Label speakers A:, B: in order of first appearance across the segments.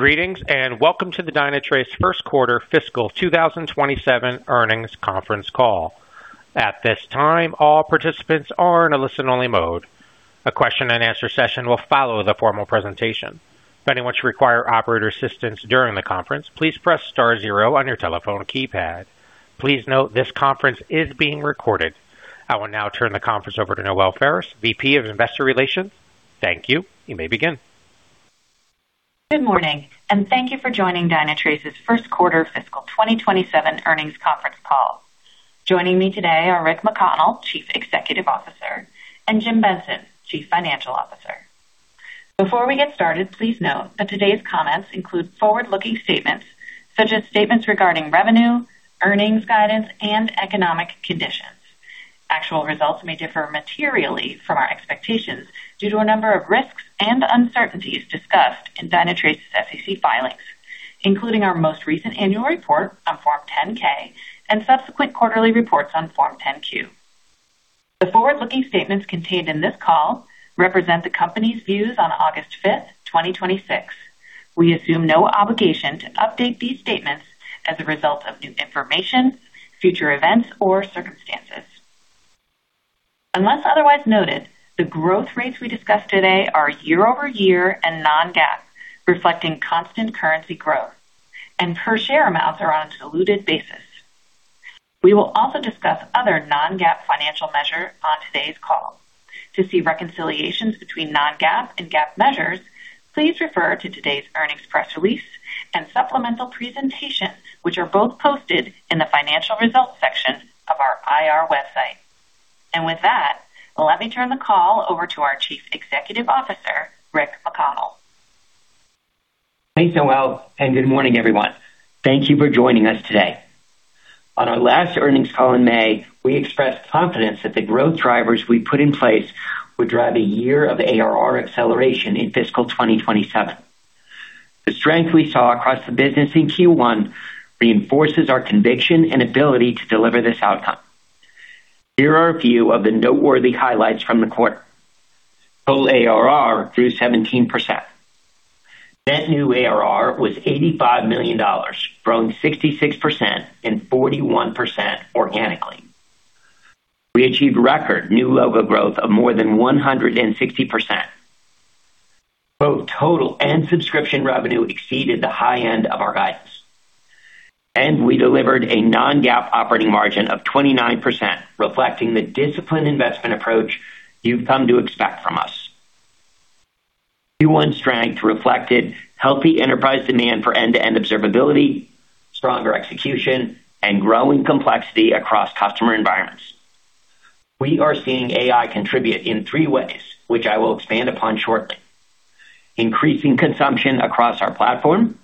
A: Greetings. Welcome to the Dynatrace Q1 Fiscal 2027 Earnings Conference Call. At this time, all participants are in a listen-only mode. A question-and-answer session will follow the formal presentation. If anyone should require operator assistance during the conference, please press *0 on your telephone keypad. Please note this conference is being recorded. I will now turn the conference over to Noelle Faris, VP of Investor Relations. Thank you. You may begin.
B: Good morning. Thank you for joining Dynatrace's Q1 Fiscal 2027 Earnings Conference Call. Joining me today are Rick McConnell, Chief Executive Officer, and Jim Benson, Chief Financial Officer. Before we get started, please note that today's comments include forward-looking statements such as statements regarding revenue, earnings guidance, and economic conditions. Actual results may differ materially from our expectations due to a number of risks and uncertainties discussed in Dynatrace's SEC filings, including our most recent annual report on Form 10-K and subsequent quarterly reports on Form 10-Q. The forward-looking statements contained in this call represent the company's views on August 5th, 2026. We assume no obligation to update these statements as a result of new information, future events, or circumstances. Unless otherwise noted, the growth rates we discuss today are year-over-year and non-GAAP, reflecting constant currency growth, and per share amounts are on a diluted basis. We will also discuss other non-GAAP financial measures on today's call. To see reconciliations between non-GAAP and GAAP measures, please refer to today's earnings press release and supplemental presentation, which are both posted in the financial results section of our IR website. With that, let me turn the call over to our Chief Executive Officer, Rick McConnell.
C: Thanks, Noelle. Good morning, everyone. Thank you for joining us today. On our last earnings call in May, we expressed confidence that the growth drivers we put in place would drive a year of ARR acceleration in fiscal 2027. The strength we saw across the business in Q1 reinforces our conviction and ability to deliver this outcome. Here are a few of the noteworthy highlights from the quarter. Total ARR grew 17%. Net new ARR was $85 million, growing 66% and 41% organically. We achieved record new logo growth of more than 160%. Both total and subscription revenue exceeded the high end of our guidance. We delivered a non-GAAP operating margin of 29%, reflecting the disciplined investment approach you've come to expect from us. Q1 strength reflected healthy enterprise demand for end-to-end observability, stronger execution, and growing complexity across customer environments. We are seeing AI contribute in three ways, which I will expand upon shortly. Increasing consumption across our platform,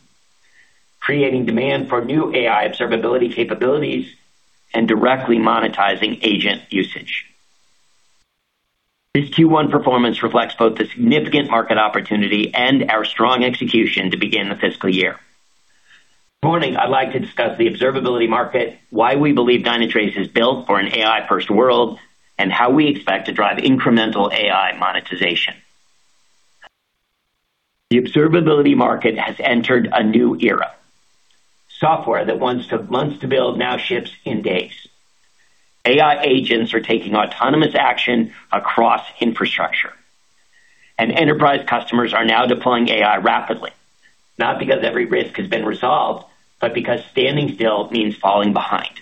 C: creating demand for new AI observability capabilities, and directly monetizing agent usage. This Q1 performance reflects both the significant market opportunity and our strong execution to begin the fiscal year. This morning, I'd like to discuss the observability market, why we believe Dynatrace is built for an AI-first world, and how we expect to drive incremental AI monetization. The observability market has entered a new era. Software that wants months to build now ships in days. AI agents are taking autonomous action across infrastructure. Enterprise customers are now deploying AI rapidly, not because every risk has been resolved, but because standing still means falling behind.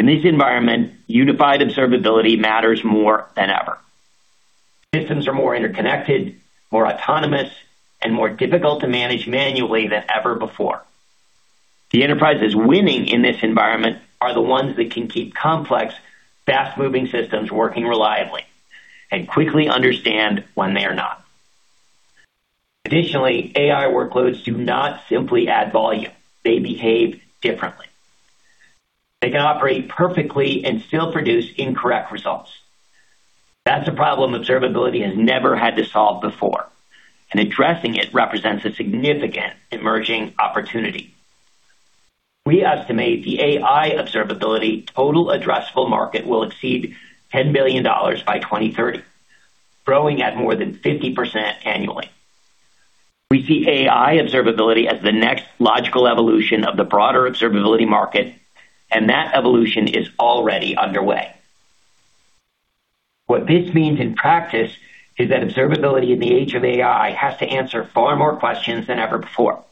C: In this environment, unified observability matters more than ever. Systems are more interconnected, more autonomous, and more difficult to manage manually than ever before. The enterprises winning in this environment are the ones that can keep complex, fast-moving systems working reliably and quickly understand when they are not. Additionally, AI workloads do not simply add volume. They behave differently. They can operate perfectly and still produce incorrect results. That's a problem observability has never had to solve before, and addressing it represents a significant emerging opportunity. We estimate the AI observability total addressable market will exceed $10 billion by 2030, growing at more than 50% annually. We see AI observability as the next logical evolution of the broader observability market, and that evolution is already underway. What this means in practice is that observability in the age of AI has to answer far more questions than ever before.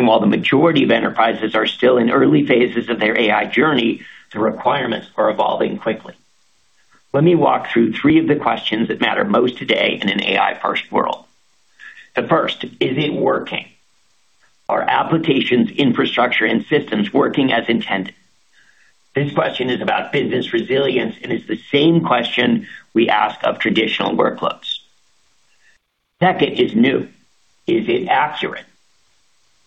C: While the majority of enterprises are still in early phases of their AI journey, the requirements are evolving quickly. Let me walk through three of the questions that matter most today in an AI-first world. The first, is it working? Are applications, infrastructure, and systems working as intended? This question is about business resilience, and it's the same question we ask of traditional workloads. Second is new. Is it accurate?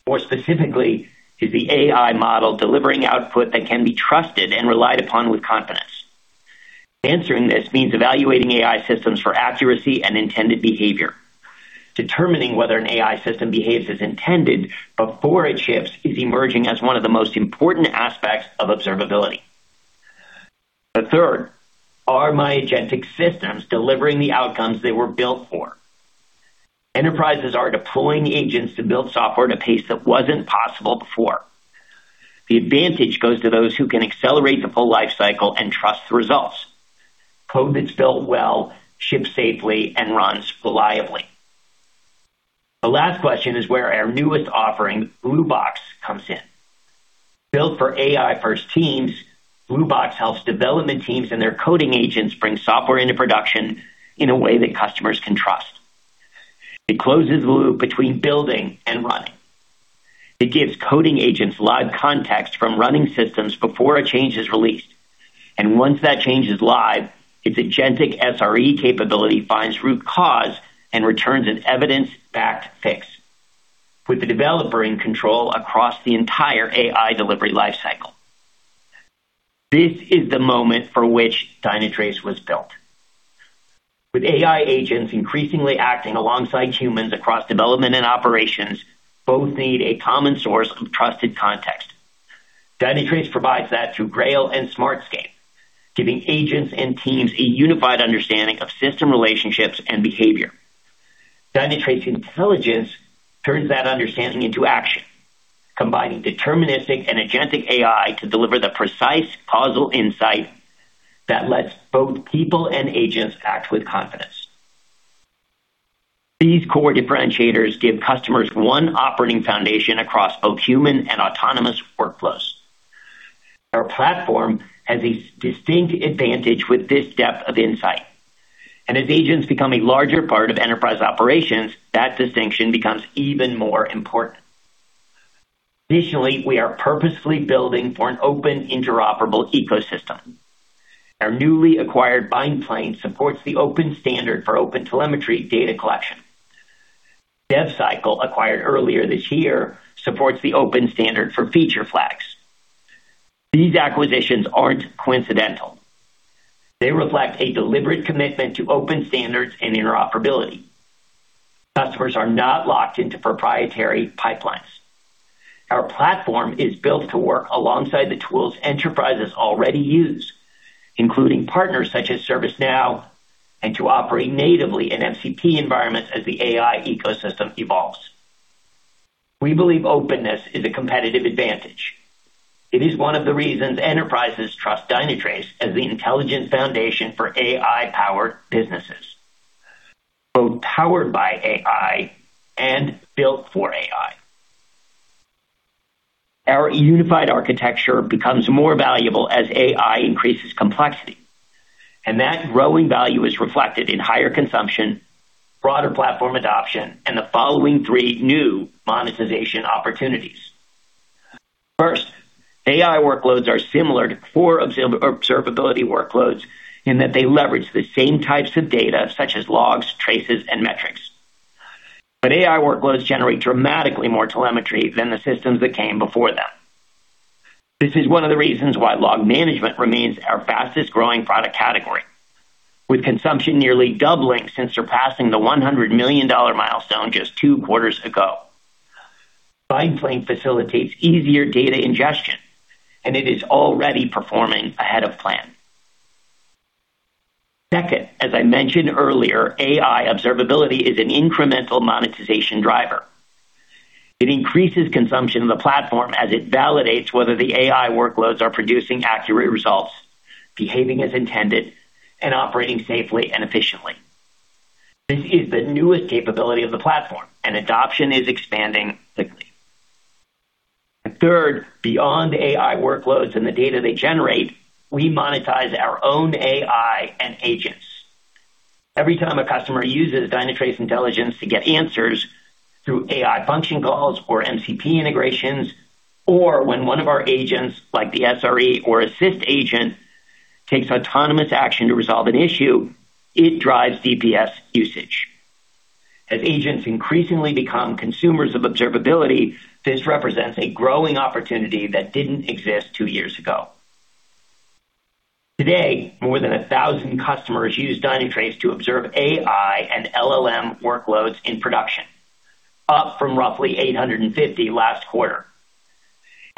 C: More specifically, is the AI model delivering output that can be trusted and relied upon with confidence? Answering this means evaluating AI systems for accuracy and intended behavior. Determining whether an AI system behaves as intended before it ships is emerging as one of the most important aspects of observability. The third, are my agentic systems delivering the outcomes they were built for? Enterprises are deploying agents to build software at a pace that wasn't possible before. The advantage goes to those who can accelerate the full life cycle and trust the results. Code that's built well, ships safely, and runs reliably. The last question is where our newest offering, Bluebox, comes in. Built for AI-first teams, Bluebox helps development teams and their coding agents bring software into production in a way that customers can trust. It closes the loop between building and running. It gives coding agents live context from running systems before a change is released. Once that change is live, its agentic SRE capability finds root cause and returns an evidence-backed fix, with the developer in control across the entire AI delivery life cycle. This is the moment for which Dynatrace was built. With AI agents increasingly acting alongside humans across development and operations, both need a common source of trusted context. Dynatrace provides that through Grail and Smartscape, giving agents and teams a unified understanding of system relationships and behavior. Dynatrace Intelligence turns that understanding into action, combining deterministic and agentic AI to deliver the precise causal insight that lets both people and agents act with confidence. These core differentiators give customers one operating foundation across both human and autonomous workflows. Our platform has a distinct advantage with this depth of insight. As agents become a larger part of enterprise operations, that distinction becomes even more important. Additionally, we are purposefully building for an open, interoperable ecosystem. Our newly acquired BindPlane supports the open standard for OpenTelemetry data collection. DevCycle, acquired earlier this year, supports the open standard for feature flags. These acquisitions aren't coincidental. They reflect a deliberate commitment to open standards and interoperability. Customers are not locked into proprietary pipelines. Our platform is built to work alongside the tools enterprises already use, including partners such as ServiceNow, and to operate natively in MCP environments as the AI ecosystem evolves. We believe openness is a competitive advantage. It is one of the reasons enterprises trust Dynatrace as the intelligent foundation for AI-powered businesses, both powered by AI and built for AI. Our unified architecture becomes more valuable as AI increases complexity, and that growing value is reflected in higher consumption, broader platform adoption, and the following three new monetization opportunities. First, AI workloads are similar to core observability workloads in that they leverage the same types of data such as logs, traces, and metrics. AI workloads generate dramatically more telemetry than the systems that came before them. This is one of the reasons why log management remains our fastest-growing product category, with consumption nearly doubling since surpassing the $100 million milestone just two quarters ago. BindPlane facilitates easier data ingestion, and it is already performing ahead of plan. Second, as I mentioned earlier, AI observability is an incremental monetization driver. It increases consumption of the platform as it validates whether the AI workloads are producing accurate results, behaving as intended, and operating safely and efficiently. This is the newest capability of the platform, and adoption is expanding quickly. Third, beyond AI workloads and the data they generate, we monetize our own AI and agents. Every time a customer uses Dynatrace Intelligence to get answers through AI function calls or MCP integrations, or when one of our agents, like the SRE or Assist agent, takes autonomous action to resolve an issue, it drives DPS usage. As agents increasingly become consumers of observability, this represents a growing opportunity that didn't exist two years ago. Today, more than 1,000 customers use Dynatrace to observe AI and LLM workloads in production, up from roughly 850 last quarter.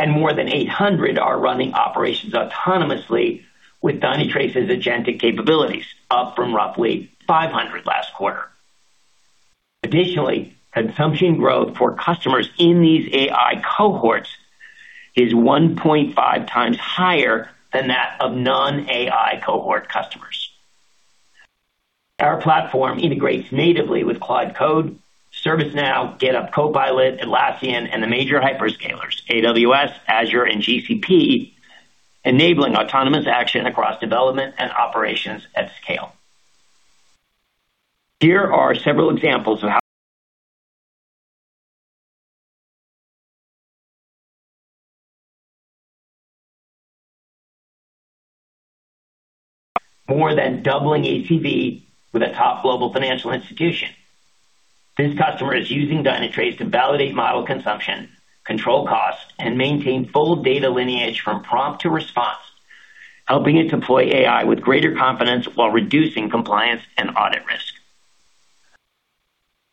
C: More than 800 are running operations autonomously with Dynatrace's agentic capabilities, up from roughly 500 last quarter. Additionally, consumption growth for customers in these AI cohorts is 1.5x higher than that of non-AI cohort customers. Our platform integrates natively with Claude Code, ServiceNow, GitHub Copilot, Atlassian, and the major hyperscalers, AWS, Azure, and GCP, enabling autonomous action across development and operations at scale. Here are several examples of how. More than doubling ACV with a top global financial institution. This customer is using Dynatrace to validate model consumption, control costs, and maintain full data lineage from prompt to response, helping it deploy AI with greater confidence while reducing compliance and audit risk.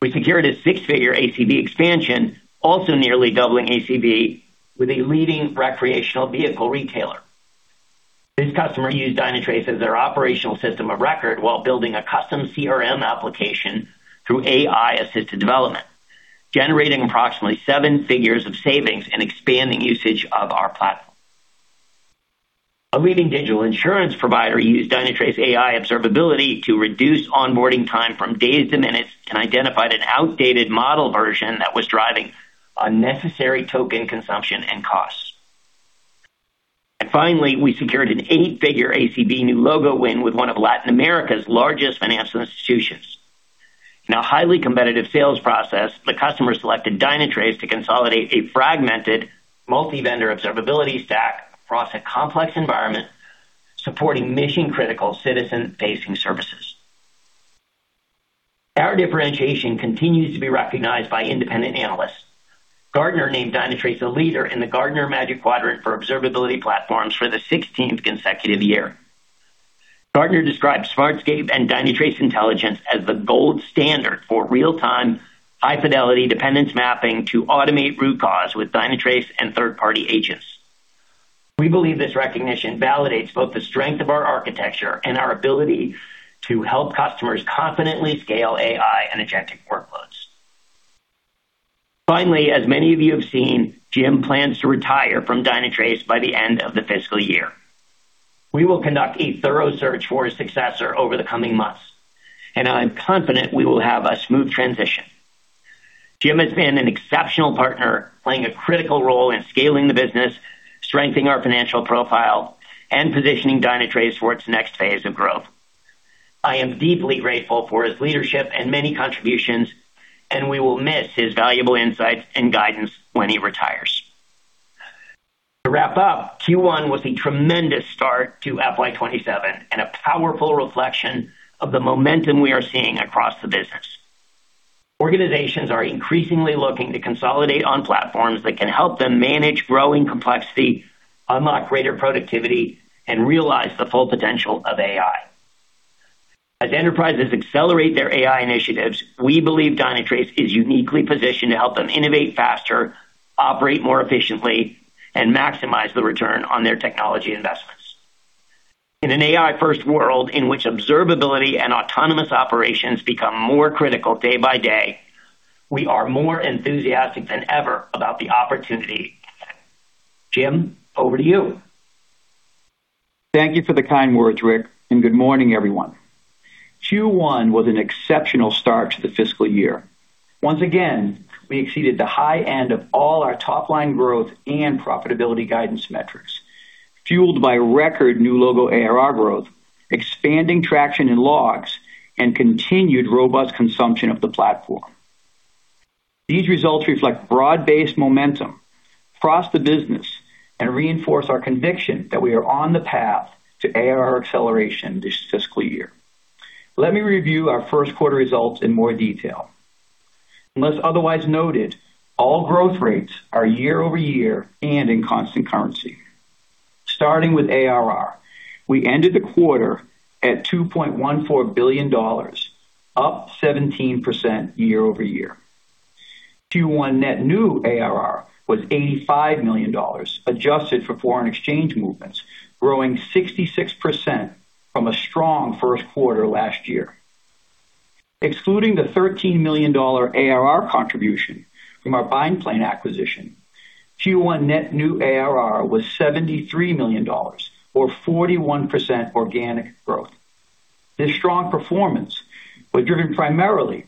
C: We secured a six-figure ACV expansion, also nearly doubling ACV with a leading recreational vehicle retailer. This customer used Dynatrace as their operational system of record while building a custom CRM application through AI-assisted development, generating approximately seven figures of savings and expanding usage of our platform. A leading digital insurance provider used Dynatrace AI observability to reduce onboarding time from days to minutes and identified an outdated model version that was driving unnecessary token consumption and costs. Finally, we secured an eight-figure ACV new logo win with one of Latin America's largest financial institutions. In a highly competitive sales process, the customer selected Dynatrace to consolidate a fragmented multi-vendor observability stack across a complex environment supporting mission-critical citizen-facing services. Our differentiation continues to be recognized by independent analysts. Gartner named Dynatrace a leader in the Gartner Magic Quadrant for Observability Platforms for the 16th consecutive year. Gartner describes Smartscape and Dynatrace Intelligence as the gold standard for real-time high-fidelity dependence mapping to automate root cause with Dynatrace and third-party agents. We believe this recognition validates both the strength of our architecture and our ability to help customers confidently scale AI and agentic workloads. Finally, as many of you have seen, Jim plans to retire from Dynatrace by the end of the fiscal year. We will conduct a thorough search for a successor over the coming months, and I'm confident we will have a smooth transition. Jim has been an exceptional partner, playing a critical role in scaling the business, strengthening our financial profile, and positioning Dynatrace for its next phase of growth. I am deeply grateful for his leadership and many contributions, and we will miss his valuable insights and guidance when he retires. To wrap up, Q1 was a tremendous start to FY 2027 and a powerful reflection of the momentum we are seeing across the business. Organizations are increasingly looking to consolidate on platforms that can help them manage growing complexity, unlock greater productivity, and realize the full potential of AI. As enterprises accelerate their AI initiatives, we believe Dynatrace is uniquely positioned to help them innovate faster, operate more efficiently, and maximize the return on their technology investments. In an AI-first world in which observability and autonomous operations become more critical day by day, we are more enthusiastic than ever about the opportunity at hand. Jim, over to you.
D: Thank you for the kind words, Rick, and good morning, everyone. Q1 was an exceptional start to the fiscal year. Once again, we exceeded the high end of all our top-line growth and profitability guidance metrics, fueled by record new logo ARR growth, expanding traction in logs, and continued robust consumption of the platform. These results reflect broad-based momentum across the business and reinforce our conviction that we are on the path to ARR acceleration this fiscal year. Let me review our Q1 results in more detail. Unless otherwise noted, all growth rates are year-over-year and in constant currency. Starting with ARR, we ended the quarter at $2.14 billion, up 17% year-over-year. Q1 net new ARR was $85 million, adjusted for foreign exchange movements, growing 66% from a strong Q1 last year. Excluding the $13 million ARR contribution from our BindPlane acquisition, Q1 net new ARR was $73 million, or 41% organic growth. This strong performance was driven primarily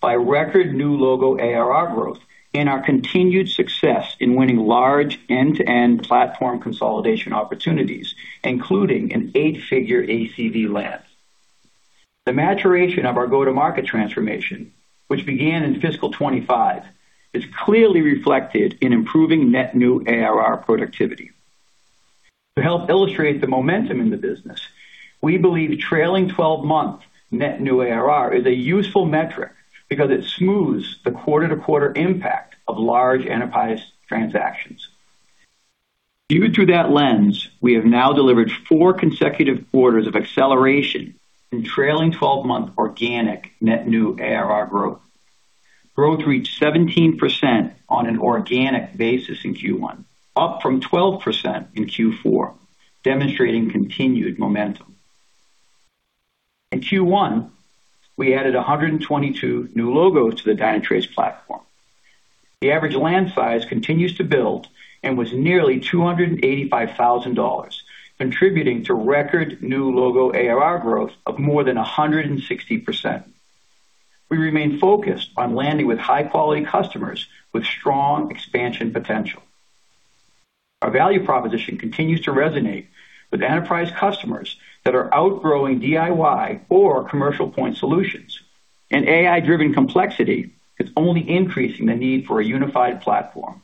D: by record new logo ARR growth and our continued success in winning large end-to-end platform consolidation opportunities, including an eight-figure ACV land. The maturation of our go-to-market transformation, which began in FY 2025, is clearly reflected in improving net new ARR productivity. To help illustrate the momentum in the business, we believe trailing 12-month net new ARR is a useful metric because it smooths the quarter-to-quarter impact of large enterprise transactions. Viewed through that lens, we have now delivered four consecutive quarters of acceleration in trailing 12-month organic net new ARR growth. Growth reached 17% on an organic basis in Q1, up from 12% in Q4, demonstrating continued momentum. In Q1, we added 122 new logos to the Dynatrace platform. The average land size continues to build and was nearly $285,000, contributing to record new logo ARR growth of more than 160%. We remain focused on landing with high-quality customers with strong expansion potential. Our value proposition continues to resonate with enterprise customers that are outgrowing DIY or commercial point solutions, and AI-driven complexity is only increasing the need for a unified platform.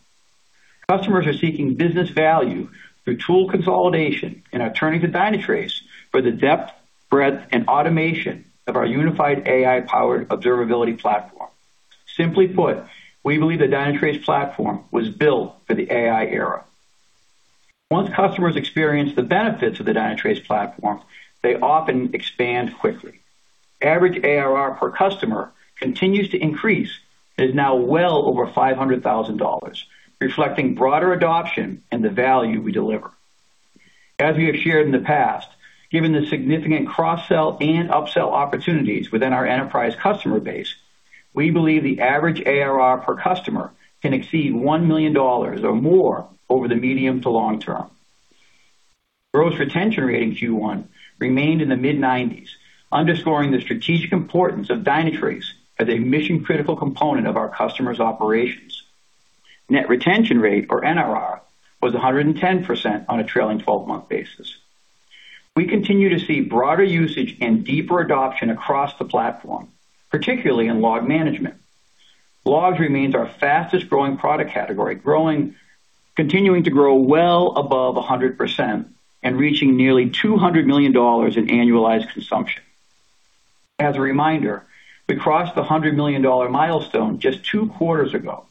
D: Customers are seeking business value through tool consolidation and are turning to Dynatrace for the depth, breadth, and automation of our unified AI-powered observability platform. Simply put, we believe the Dynatrace platform was built for the AI era. Once customers experience the benefits of the Dynatrace platform, they often expand quickly. Average ARR per customer continues to increase, and is now well over $500,000, reflecting broader adoption and the value we deliver. As we have shared in the past, given the significant cross-sell and up-sell opportunities within our enterprise customer base, we believe the average ARR per customer can exceed $1 million or more over the medium to long term. Gross retention rate in Q1 remained in the mid-90s, underscoring the strategic importance of Dynatrace as a mission-critical component of our customers' operations. Net retention rate, or NRR, was 110% on a trailing 12-month basis. We continue to see broader usage and deeper adoption across the platform, particularly in log management. Logs remains our fastest-growing product category, continuing to grow well above 100% and reaching nearly $200 million in annualized consumption. As a reminder, we crossed the $100 million milestone just two quarters ago.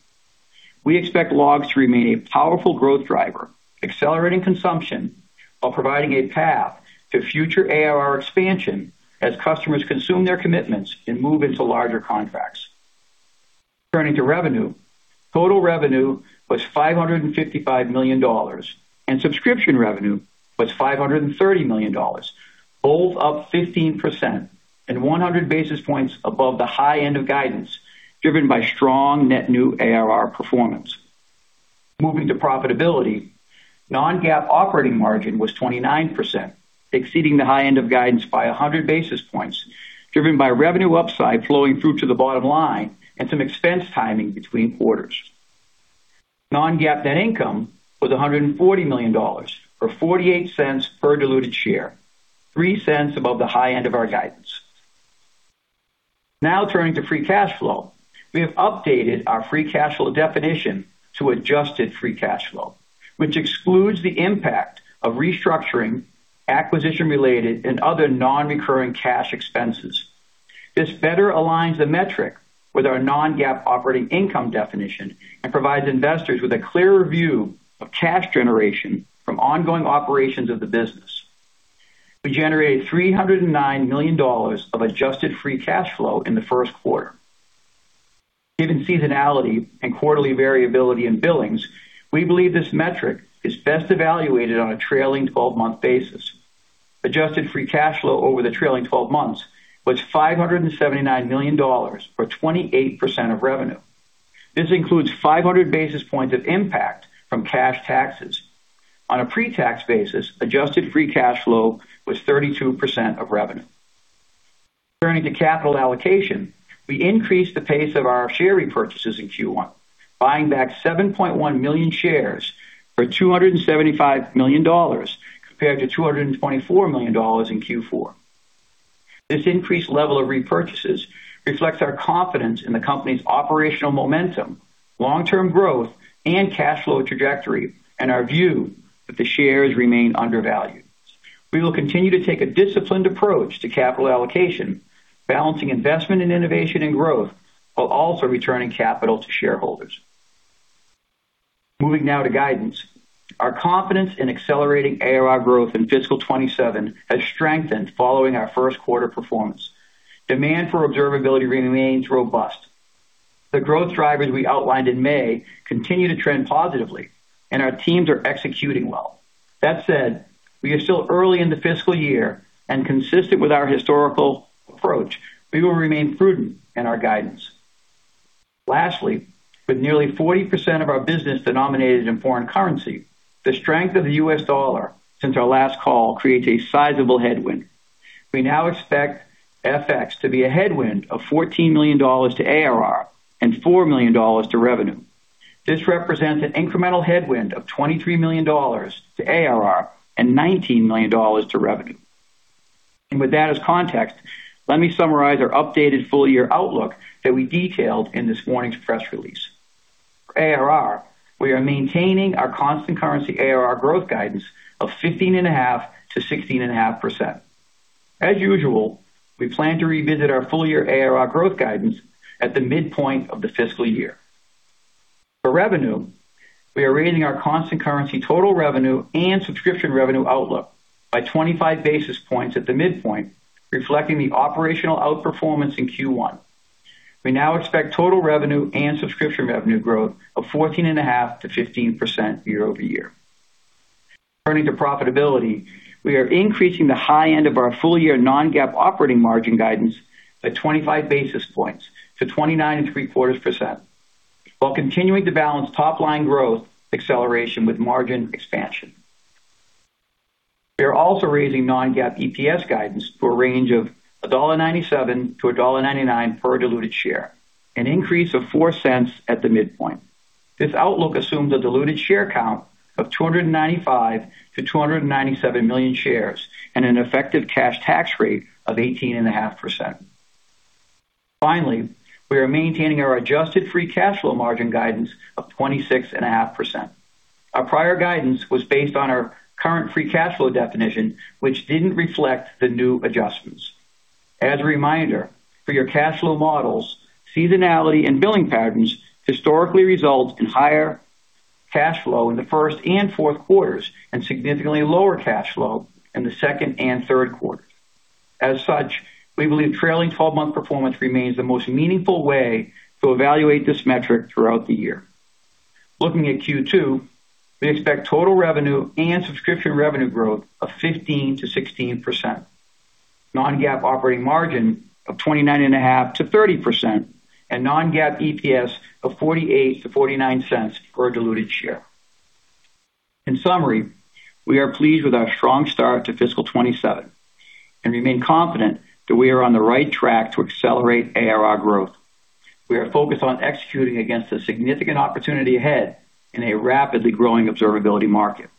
D: We expect logs to remain a powerful growth driver, accelerating consumption while providing a path to future ARR expansion as customers consume their commitments and move into larger contracts. Turning to revenue. Total revenue was $555 million, and subscription revenue was $530 million, both up 15% and 100 basis points above the high end of guidance, driven by strong net new ARR performance. Moving to profitability. Non-GAAP operating margin was 29%, exceeding the high end of guidance by 100 basis points, driven by revenue upside flowing through to the bottom line and some expense timing between quarters. Non-GAAP net income was $140 million, or $0.48 per diluted share, $0.03 above the high end of our guidance. Now turning to free cash flow. We have updated our free cash flow definition to adjusted free cash flow, which excludes the impact of restructuring, acquisition-related, and other non-recurring cash expenses. This better aligns the metric with our non-GAAP operating income definition and provides investors with a clearer view of cash generation from ongoing operations of the business. We generated $309 million of adjusted free cash flow in the Q1. Given seasonality and quarterly variability in billings, we believe this metric is best evaluated on a trailing 12-month basis. Adjusted free cash flow over the trailing 12 months was $579 million, or 28% of revenue. This includes 500 basis points of impact from cash taxes. On a pre-tax basis, adjusted free cash flow was 32% of revenue. Turning to capital allocation. We increased the pace of our share repurchases in Q1, buying back 7.1 million shares for $275 million, compared to $224 million in Q4. This increased level of repurchases reflects our confidence in the company's operational momentum, long-term growth, and cash flow trajectory, and our view that the shares remain undervalued. We will continue to take a disciplined approach to capital allocation, balancing investment in innovation and growth, while also returning capital to shareholders. Moving now to guidance. Our confidence in accelerating ARR growth in FY 2027 has strengthened following our Q1 performance. Demand for observability remains robust. The growth drivers we outlined in May continue to trend positively, and our teams are executing well. That said, we are still early in the fiscal year, and consistent with our historical approach, we will remain prudent in our guidance. Lastly, with nearly 40% of our business denominated in foreign currency, the strength of the U.S. dollar since our last call creates a sizable headwind. We now expect FX to be a headwind of $14 million to ARR and $4 million to revenue. This represents an incremental headwind of $23 million to ARR and $19 million to revenue. With that as context, let me summarize our updated full-year outlook that we detailed in this morning's press release. ARR, we are maintaining our constant currency ARR growth guidance of 15.5%-16.5%. As usual, we plan to revisit our full-year ARR growth guidance at the midpoint of the fiscal year. For revenue, we are raising our constant currency total revenue and subscription revenue outlook by 25 basis points at the midpoint, reflecting the operational outperformance in Q1. We now expect total revenue and subscription revenue growth of 14.5%-15% year-over-year. Turning to profitability, we are increasing the high end of our full-year non-GAAP operating margin guidance by 25 basis points to 29.75%, while continuing to balance top-line growth acceleration with margin expansion. We are also raising non-GAAP EPS guidance to a range of $1.97-$1.99 per diluted share, an increase of $0.04 at the midpoint. This outlook assumes a diluted share count of 295 million to 297 million shares and an effective cash tax rate of 18.5%. Finally, we are maintaining our adjusted free cash flow margin guidance of 26.5%. Our prior guidance was based on our current free cash flow definition, which didn't reflect the new adjustments. As a reminder, for your cash flow models, seasonality and billing patterns historically result in higher cash flow in the Q1 and Q4, and significantly lower cash flow in the Q2 and Q3. As such, we believe trailing 12-month performance remains the most meaningful way to evaluate this metric throughout the year. Looking at Q2, we expect total revenue and subscription revenue growth of 15%-16%, non-GAAP operating margin of 29.5%-30%, and non-GAAP EPS of $0.48-$0.49 per diluted share. In summary, we are pleased with our strong start to fiscal 2027 and remain confident that we are on the right track to accelerate ARR growth. We are focused on executing against a significant opportunity ahead in a rapidly growing observability market.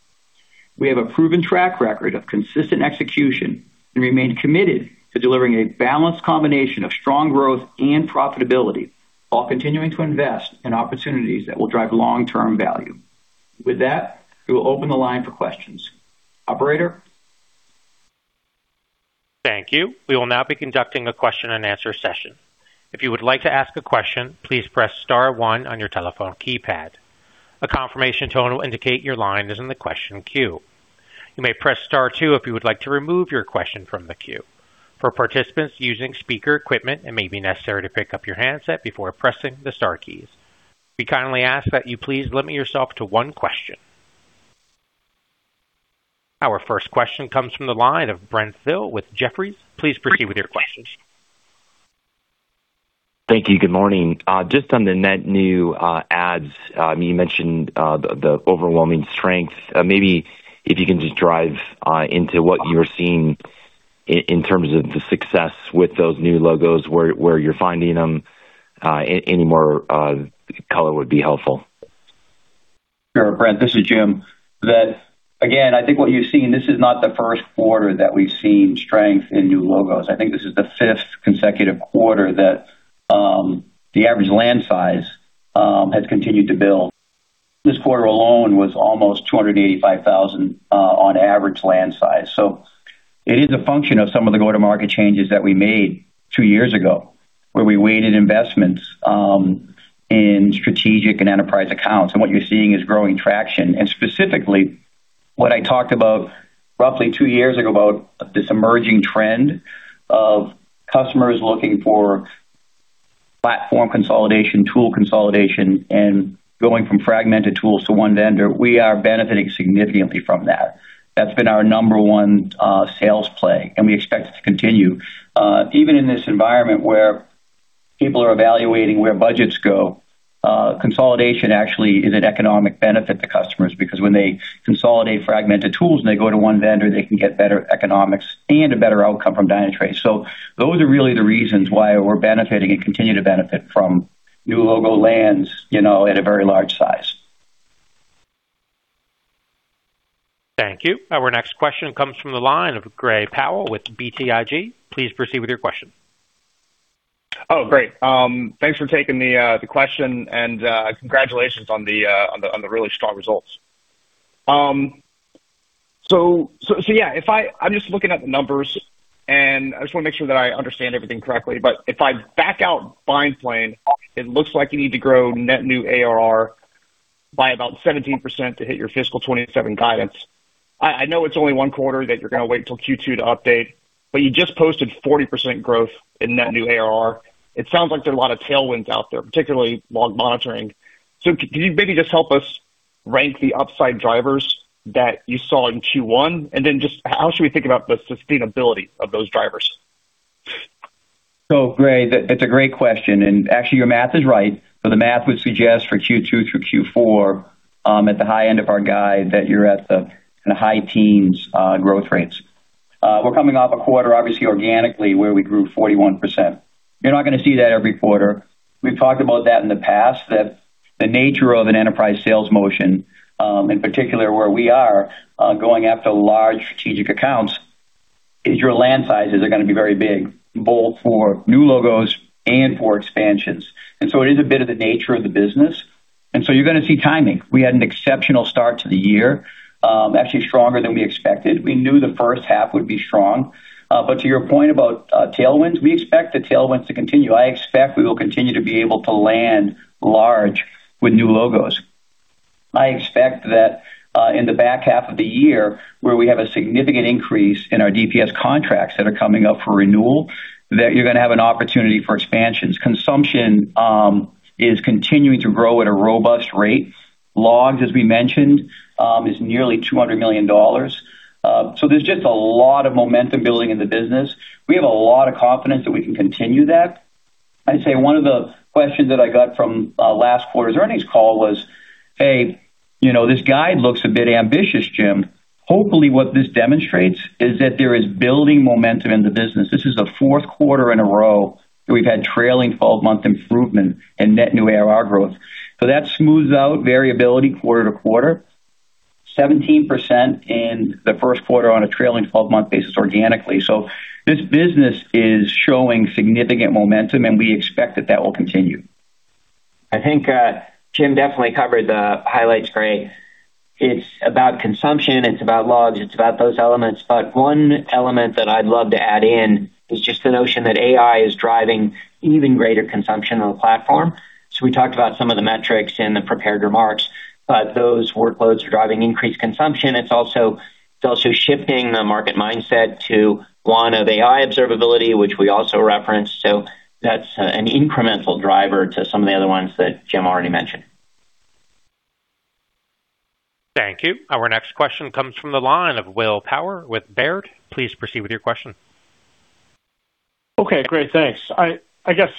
D: We have a proven track record of consistent execution and remain committed to delivering a balanced combination of strong growth and profitability while continuing to invest in opportunities that will drive long-term value. With that, we will open the line for questions. Operator?
A: Thank you. We will now be conducting a question-and-answer session. If you would like to ask a question, please press *1 on your telephone keypad. A confirmation tone will indicate your line is in the question queue. You may press *2 if you would like to remove your question from the queue. For participants using speaker equipment, it may be necessary to pick up your handset before pressing the star keys. We kindly ask that you please limit yourself to one question. Our first question comes from the line of Brent Thill with Jefferies. Please proceed with your questions.
E: Thank you. Good morning. Just on the net new adds, you mentioned the overwhelming strength. Maybe if you can just drive into what you're seeing in terms of the success with those new logos, where you're finding them. Any more color would be helpful.
D: Sure, Brent. This is Jim. Again, I think what you're seeing, this is not the Q1 that we've seen strength in new logos. I think this is the fifth consecutive quarter that the average land size has continued to build. This quarter alone was almost $285,000 on average land size. It is a function of some of the go-to-market changes that we made two years ago, where we weighted investments in strategic and enterprise accounts. What you're seeing is growing traction. Specifically, what I talked about roughly two years ago about this emerging trend of customers looking for platform consolidation, tool consolidation, and going from fragmented tools to one vendor, we are benefiting significantly from that. That's been our number one sales play, and we expect it to continue. Even in this environment where people are evaluating where budgets go, consolidation actually is an economic benefit to customers, because when they consolidate fragmented tools and they go to one vendor, they can get better economics and a better outcome from Dynatrace. Those are really the reasons why we're benefiting and continue to benefit from new logo lands at a very large size.
A: Thank you. Our next question comes from the line of Gray Powell with BTIG. Please proceed with your question.
F: Great. Thanks for taking the question and congratulations on the really strong results. I'm just looking at the numbers, and I just want to make sure that I understand everything correctly, but if I back out BindPlane, it looks like you need to grow net new ARR by about 17% to hit your FY 2027 guidance. I know it's only one quarter, that you're going to wait till Q2 to update, but you just posted 40% growth in net new ARR. It sounds like there are a lot of tailwinds out there, particularly log monitoring. Can you maybe just help us rank the upside drivers that you saw in Q1? How should we think about the sustainability of those drivers?
D: Gray, that's a great question. Actually, your math is right. The math would suggest for Q2 through Q4, at the high end of our guide, that you're at the high teens growth rates. We're coming off a quarter, obviously organically, where we grew 41%. You're not going to see that every quarter. We've talked about that in the past, that the nature of an enterprise sales motion, in particular where we are, going after large strategic accounts, is your land sizes are going to be very big, both for new logos and for expansions. It is a bit of the nature of the business, you're going to see timing. We had an exceptional start to the year, actually stronger than we expected. We knew the first half would be strong. To your point about tailwinds, we expect the tailwinds to continue. I expect we will continue to be able to land large with new logos. I expect that in the back half of the year, where we have a significant increase in our DPS contracts that are coming up for renewal, that you're going to have an opportunity for expansions. Consumption is continuing to grow at a robust rate. Logs, as we mentioned, is nearly $200 million. There's just a lot of momentum building in the business. We have a lot of confidence that we can continue that. I'd say one of the questions that I got from last quarter's earnings call was, "Hey, this guide looks a bit ambitious, Jim." Hopefully, what this demonstrates is that there is building momentum in the business. This is the Q4 in a row that we've had trailing 12-month improvement in net new ARR growth. That smooths out variability quarter to quarter. 17% in the Q1 on a trailing 12-month basis organically. This business is showing significant momentum, we expect that that will continue.
C: I think Jim definitely covered the highlights great. It's about consumption, it's about logs, it's about those elements. One element that I'd love to add in is just the notion that AI is driving even greater consumption on the platform. We talked about some of the metrics in the prepared remarks, those workloads are driving increased consumption. It's also shifting the market mindset to one of AI observability, which we also referenced. That's an incremental driver to some of the other ones that Jim already mentioned.
A: Thank you. Our next question comes from the line of Will Power with Baird. Please proceed with your question.
G: Okay, great. Thanks. I guess,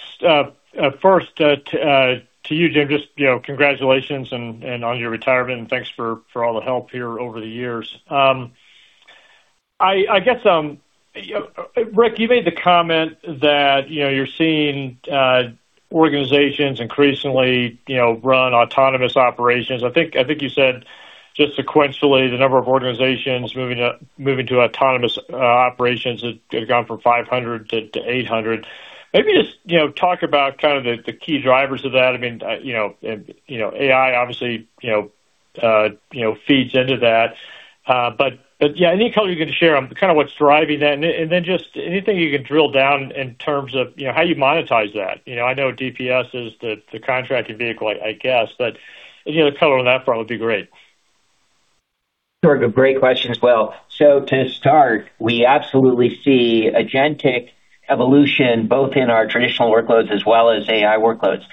G: first, to you, Jim, just congratulations on your retirement and thanks for all the help here over the years. Rick, you made the comment that you're seeing organizations increasingly run autonomous operations. I think you said just sequentially, the number of organizations moving to autonomous operations had gone from 500 to 800. Maybe just talk about kind of the key drivers of that. AI obviously feeds into that. Yeah, any color you can share on kind of what's driving that, and then just anything you can drill down in terms of how you monetize that. I know DPS is the contracting vehicle, I guess, but any other color on that front would be great.
C: Sure. Great question as well. To start, we absolutely see agentic evolution both in our traditional workloads as well as AI workloads.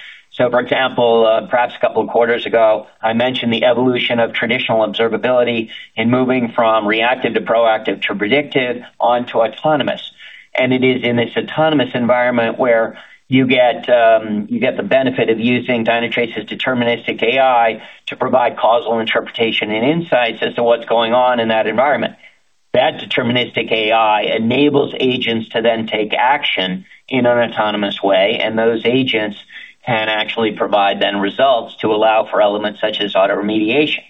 C: For example, perhaps a couple of quarters ago, I mentioned the evolution of traditional observability in moving from reactive to proactive to predictive on to autonomous. It is in this autonomous environment where you get the benefit of using Dynatrace's deterministic AI to provide causal interpretation and insights as to what's going on in that environment. That deterministic AI enables agents to then take action in an autonomous way, and those agents can actually provide then results to allow for elements such as auto remediation.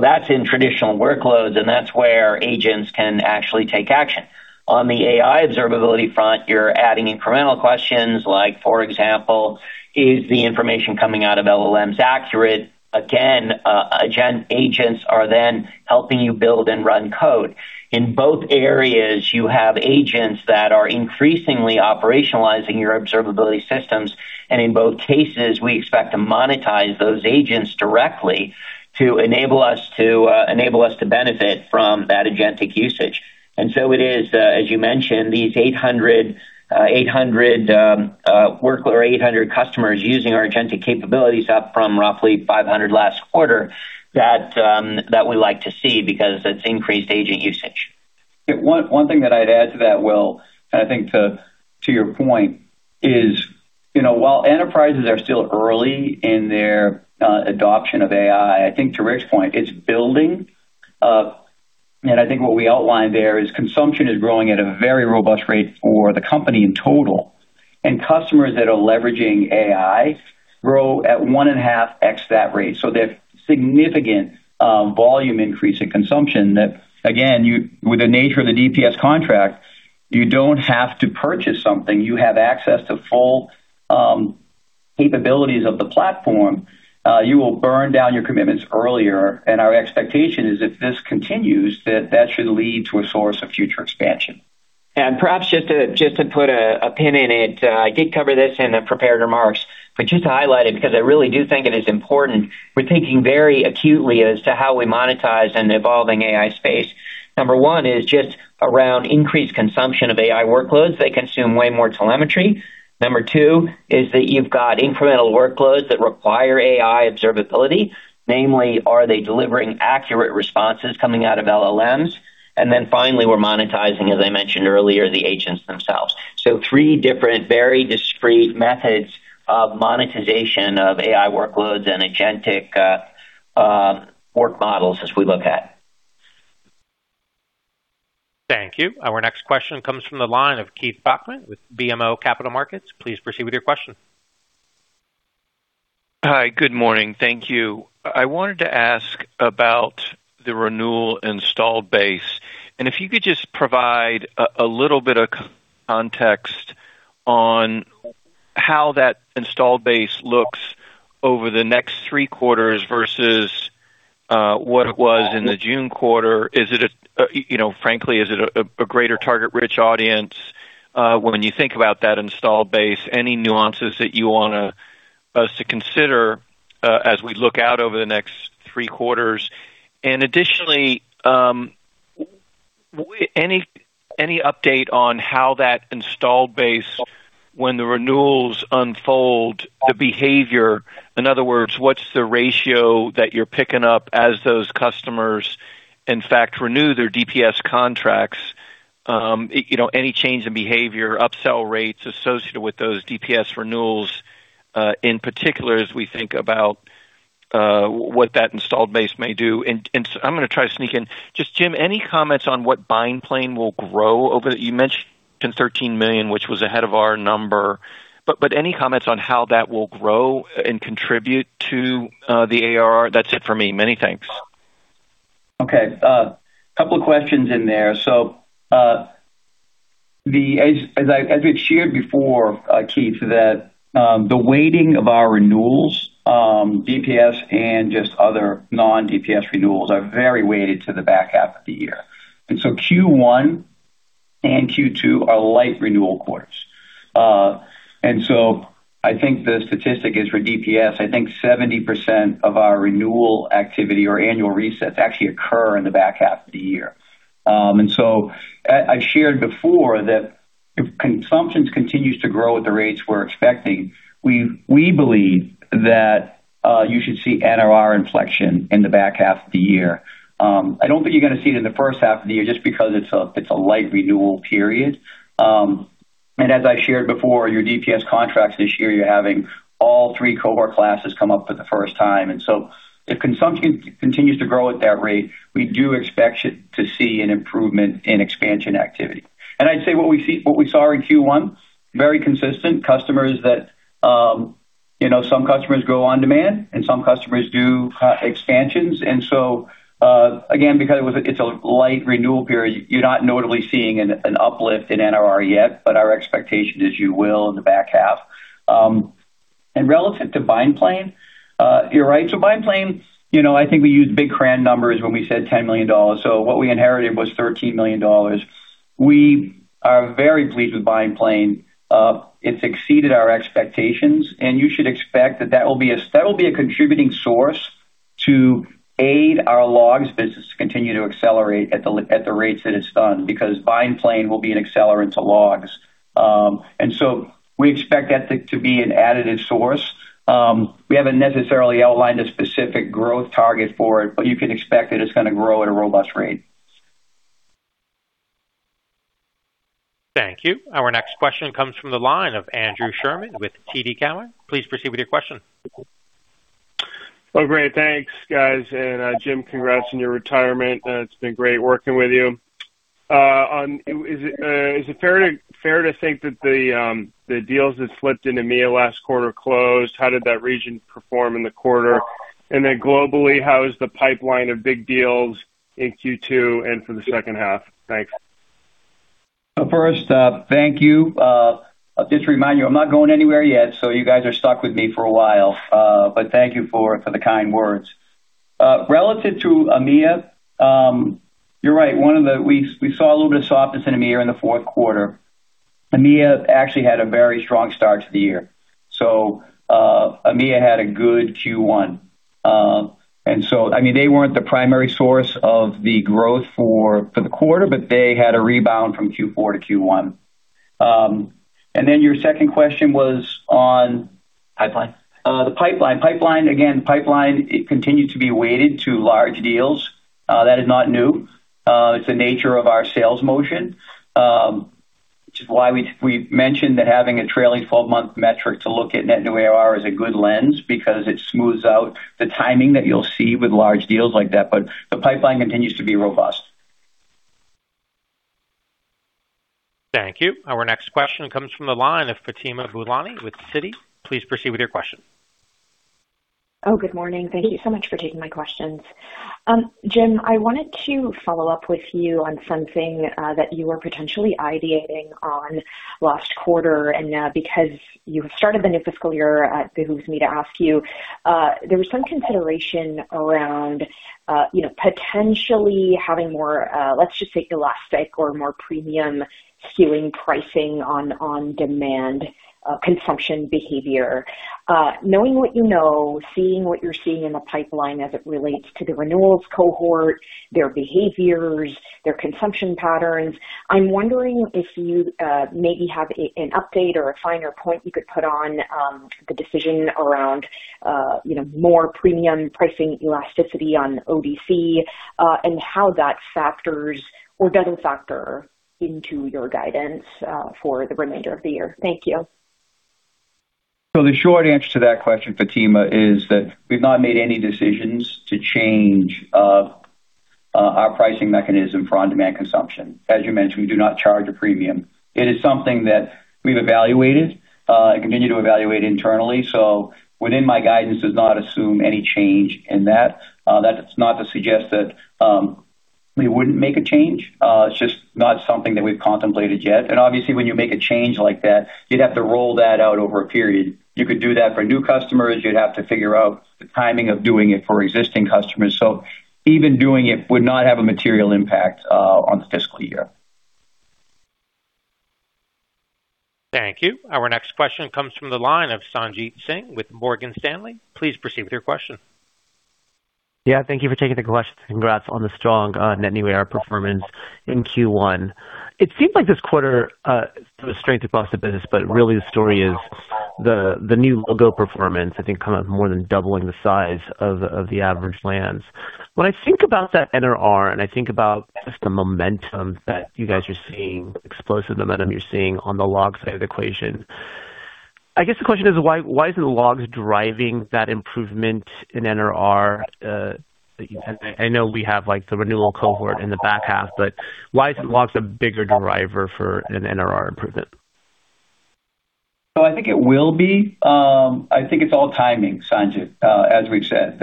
C: That's in traditional workloads, and that's where agents can actually take action. On the AI observability front, you're adding incremental questions like, for example, is the information coming out of LLMs accurate? Again, agents are then helping you build and run code. In both areas, you have agents that are increasingly operationalizing your observability systems, and in both cases, we expect to monetize those agents directly to enable us to benefit from that agentic usage. It is, as you mentioned, these 800 customers using our agentic capabilities up from roughly 500 last quarter that we like to see because it's increased agent usage.
D: One thing that I'd add to that, Will, I think to your point, is while enterprises are still early in their adoption of AI, I think to Rick's point, it's building. I think what we outlined there is consumption is growing at a very robust rate for the company in total, customers that are leveraging AI grow at 1.5x that rate. They have significant volume increase in consumption that again, with the nature of the DPS contract, you don't have to purchase something. You have access to full capabilities of the platform. You will burn down your commitments earlier, our expectation is if this continues, that that should lead to a source of future expansion.
C: Perhaps just to put a pin in it, I did cover this in the prepared remarks, but just to highlight it because I really do think it is important. We're thinking very acutely as to how we monetize an evolving AI space. Number one is just around increased consumption of AI workloads. They consume way more telemetry. Number two is that you've got incremental workloads that require AI observability. Namely, are they delivering accurate responses coming out of LLMs? Finally, we're monetizing, as I mentioned earlier, the agents themselves. Three different, very discrete methods of monetization of AI workloads and agentic work models as we look at.
A: Thank you. Our next question comes from the line of Keith Bachman with BMO Capital Markets. Please proceed with your question.
H: Hi. Good morning. Thank you. I wanted to ask about the renewal install base, if you could just provide a little bit of context on how that installed base looks over the next three quarters versus what it was in the June quarter. Frankly, is it a greater target-rich audience when you think about that installed base? Any nuances that you want us to consider as we look out over the next three quarters? Additionally any update on how that installed base when the renewals unfold, the behavior? In other words, what's the ratio that you're picking up as those customers in fact renew their DPS contracts? Any change in behavior, upsell rates associated with those DPS renewals, in particular as we think about what that installed base may do? I'm going to try to sneak in. Jim, any comments on what BindPlane will grow over? You mentioned $13 million, which was ahead of our number, but any comments on how that will grow and contribute to the ARR? That's it for me. Many thanks.
D: Okay. A couple of questions in there. As we've shared before, Keith, the weighting of our renewals, DPS and just other non-DPS renewals, are very weighted to the back half of the year. Q1 and Q2 are light renewal quarters. I think the statistic is for DPS, 70% of our renewal activity or annual resets actually occur in the back half of the year. I shared before that if consumption continues to grow at the rates we're expecting, we believe that you should see NRR inflection in the back half of the year. I don't think you're going to see it in the first half of the year just because it's a light renewal period. As I shared before, your DPS contracts this year, you're having all three cohort classes come up for the first time. If consumption continues to grow at that rate, we do expect to see an improvement in expansion activity. I'd say what we saw in Q1, very consistent. Some customers go on-demand and some customers do expansions. Again, because it's a light renewal period, you're not notably seeing an uplift in NRR yet, but our expectation is you will in the back half. Relative to BindPlane, you're right. BindPlane, I think we used big, grand numbers when we said $10 million. What we inherited was $13 million. We are very pleased with BindPlane. It's exceeded our expectations, and you should expect that that will be a contributing source to aid our logs business to continue to accelerate at the rates that it's done, because BindPlane will be an accelerant to logs. We expect that to be an additive source. We haven't necessarily outlined a specific growth target for it, you can expect that it's going to grow at a robust rate.
A: Thank you. Our next question comes from the line of Andrew Sherman with TD Cowen. Please proceed with your question.
I: Great. Thanks, guys. Jim, congrats on your retirement. It has been great working with you. Is it fair to think that the deals that slipped into EMEA last quarter closed? How did that region perform in the quarter? Globally, how is the pipeline of big deals in Q2 and for the second half? Thanks.
D: First, thank you. I will just remind you, I am not going anywhere yet, you guys are stuck with me for a while. Thank you for the kind words. Relative to EMEA, you are right. We saw a little bit of softness in EMEA in the Q4. EMEA actually had a very strong start to the year. EMEA had a good Q1. They were not the primary source of the growth for the quarter, but they had a rebound from Q4 to Q1. Your second question was on.
C: Pipeline
D: The pipeline. Pipeline, again, pipeline, it continued to be weighted to large deals. That is not new. It is the nature of our sales motion. Which is why we mentioned that having a trailing 12-month metric to look at net new ARR is a good lens because it smooths out the timing that you will see with large deals like that. The pipeline continues to be robust.
A: Thank you. Our next question comes from the line of Fatima Boolani with Citi. Please proceed with your question.
J: Oh, good morning. Thank you so much for taking my questions. Jim, I wanted to follow up with you on something that you were potentially ideating on last quarter. Because you have started the new fiscal year, it behooves me to ask you. There was some consideration around potentially having more, let's just say, elastic or more premium skewing pricing on on-demand consumption behavior. Knowing what you know, seeing what you're seeing in the pipeline as it relates to the renewals cohort, their behaviors, their consumption patterns, I'm wondering if you maybe have an update or a finer point you could put on the decision around more premium pricing elasticity on ODC, and how that factors or doesn't factor into your guidance for the remainder of the year. Thank you.
D: The short answer to that question, Fatima, is that we've not made any decisions to change our pricing mechanism for on-demand consumption. As you mentioned, we do not charge a premium. It is something that we've evaluated, and continue to evaluate internally. Within my guidance does not assume any change in that. That's not to suggest that we wouldn't make a change. It's just not something that we've contemplated yet. Obviously, when you make a change like that, you'd have to roll that out over a period. You could do that for new customers. You'd have to figure out the timing of doing it for existing customers. So even doing it would not have a material impact on the fiscal year.
A: Thank you. Our next question comes from the line of Sanjit Singh with Morgan Stanley. Please proceed with your question.
K: Yeah, thank you for taking the questions. Congrats on the strong net new ARR performance in Q1. It seems like this quarter, sort of strength across the business, but really the story is the new logo performance, I think kind of more than doubling the size of the average lands. When I think about that NRR, and I think about just the momentum that you guys are seeing, explosive momentum you're seeing on the logs side of the equation, I guess the question is why isn't logs driving that improvement in NRR that you said? I know we have the renewal cohort in the back half, why isn't logs a bigger driver for an NRR improvement?
D: I think it will be. I think it's all timing, Sanjit, as we've said.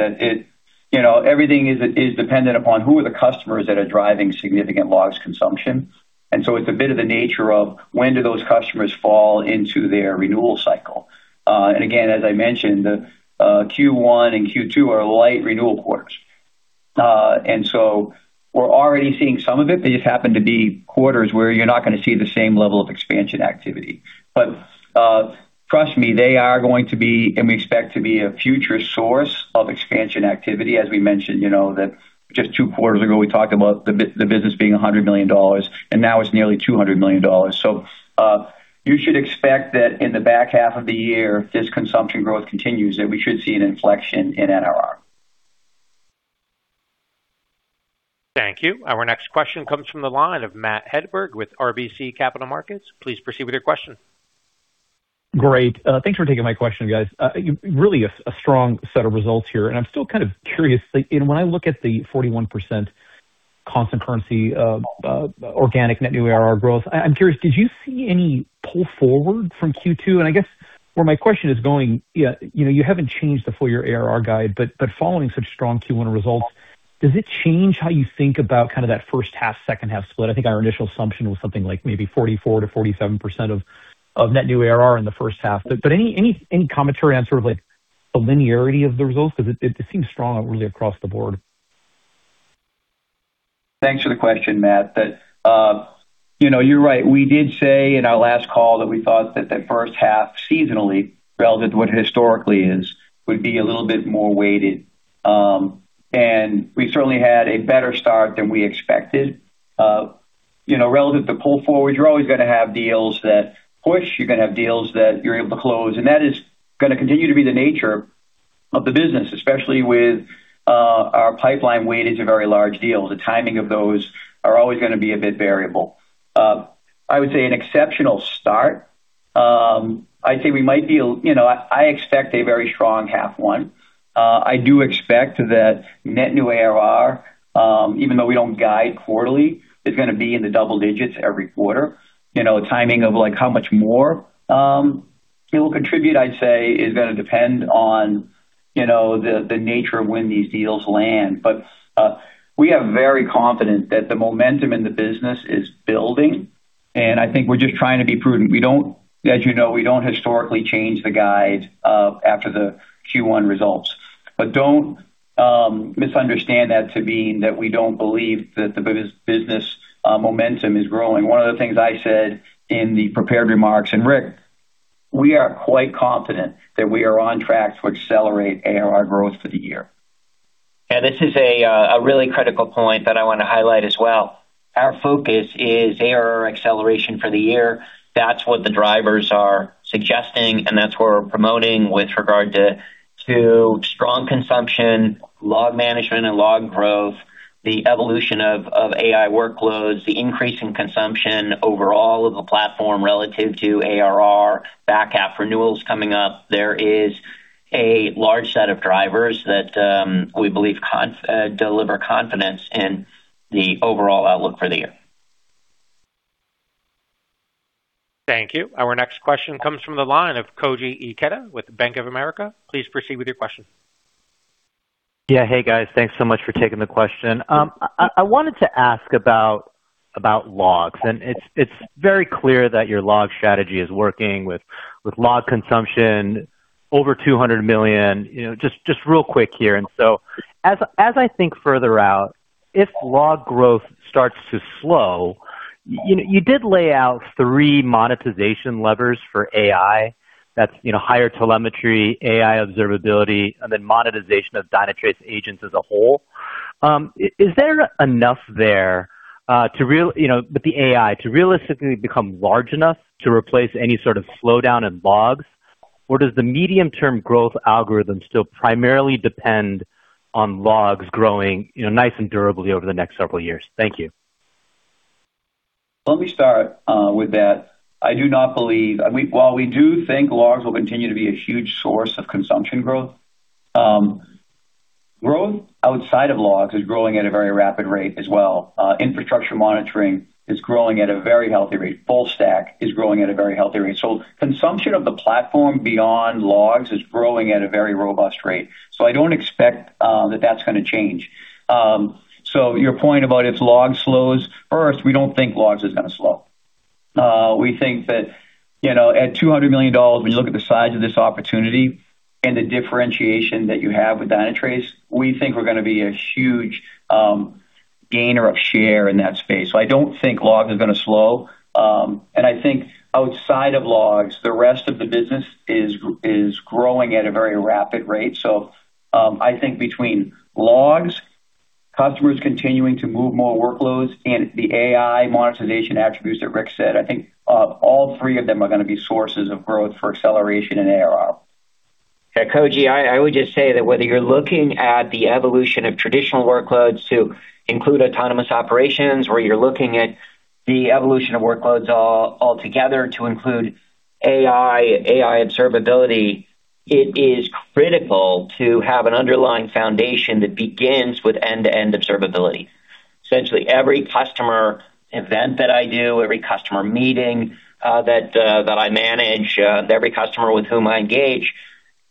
D: Everything is dependent upon who are the customers that are driving significant logs consumption. It's a bit of the nature of when do those customers fall into their renewal cycle. Again, as I mentioned, Q1 and Q2 are light renewal quarters. We're already seeing some of it, they just happen to be quarters where you're not going to see the same level of expansion activity. Trust me, they are going to be, and we expect to be, a future source of expansion activity. As we mentioned, just two quarters ago, we talked about the business being $100 million, and now it's nearly $200 million. You should expect that in the back half of the year, if this consumption growth continues, that we should see an inflection in NRR.
A: Thank you. Our next question comes from the line of Matt Hedberg with RBC Capital Markets. Please proceed with your question.
L: Great. Thanks for taking my question, guys. Really a strong set of results here, I'm still kind of curious. When I look at the 41% constant currency of organic net new ARR growth, I'm curious, did you see any pull forward from Q2? I guess where my question is going, you haven't changed the full-year ARR guide, but following such strong Q1 results, does it change how you think about that first half, second half split? I think our initial assumption was something like maybe 44%-47% of net new ARR in the first half. Any commentary on sort of like the linearity of the results? It seems strong really across the board.
D: Thanks for the question, Matt. You're right. We did say in our last call that we thought that the first half seasonally, relative to what historically is, would be a little bit more weighted. We certainly had a better start than we expected. Relative to pull forward, you're always going to have deals that push, you're going to have deals that you're able to close, that is going to continue to be the nature of the business, especially with our pipeline weight is a very large deal. The timing of those are always going to be a bit variable. I would say an exceptional start. I expect a very strong half one. I do expect that net new ARR, even though we don't guide quarterly, is going to be in the double digits every quarter. Timing of how much more it will contribute, I'd say, is going to depend on the nature of when these deals land. We are very confident that the momentum in the business is building, I think we're just trying to be prudent. As you know, we don't historically change the guide after the Q1 results. Don't misunderstand that to mean that we don't believe that the business momentum is growing. One of the things I said in the prepared remarks, Rick, we are quite confident that we are on track to accelerate ARR growth for the year.
C: This is a really critical point that I want to highlight as well. Our focus is ARR acceleration for the year. That's what the drivers are suggesting, that's what we're promoting with regard to strong consumption, log management and log growth, the evolution of AI workloads, the increase in consumption overall of the platform relative to ARR, back half renewals coming up. There is a large set of drivers that we believe deliver confidence in the overall outlook for the year.
A: Thank you. Our next question comes from the line of Koji Ikeda with Bank of America. Please proceed with your question.
M: Yeah. Hey, guys. Thanks so much for taking the question. I wanted to ask about logs, and it's very clear that your log strategy is working with log consumption over $200 million. As I think further out, if log growth starts to slow, you did lay out three monetization levers for AI. That's higher telemetry, AI observability, and then monetization of Dynatrace agents as a whole. Is there enough there with the AI to realistically become large enough to replace any sort of slowdown in logs? Or does the medium-term growth algorithm still primarily depend on logs growing nice and durably over the next several years? Thank you.
D: Let me start with that. While we do think logs will continue to be a huge source of consumption growth outside of logs is growing at a very rapid rate as well. Infrastructure monitoring is growing at a very healthy rate. Full stack is growing at a very healthy rate. Consumption of the platform beyond logs is growing at a very robust rate. I don't expect that that's going to change. Your point about if log slows. First, we don't think logs is going to slow. We think that at $200 million, when you look at the size of this opportunity and the differentiation that you have with Dynatrace, we think we're going to be a huge gainer of share in that space. I don't think log is going to slow. I think outside of logs, the rest of the business is growing at a very rapid rate. I think between logs, customers continuing to move more workloads, and the AI monetization attributes that Rick said, I think all three of them are going to be sources of growth for acceleration in ARR.
C: Yeah, Koji, I would just say that whether you're looking at the evolution of traditional workloads to include autonomous operations, or you're looking at the evolution of workloads altogether to include AI observability, it is critical to have an underlying foundation that begins with end-to-end observability. Essentially, every customer event that I do, every customer meeting that I manage, every customer with whom I engage,